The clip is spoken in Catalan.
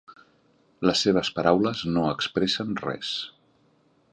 Les seves paraules no expressen res.